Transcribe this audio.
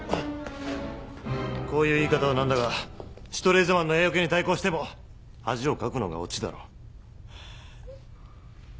こういう言い方は何だがシュトレーゼマンのＡオケに対抗しても恥をかくのがオチだろう。